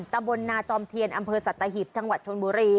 ตำบลนาจอมเทียนอำเภอสัตหิบจังหวัดชนบุรี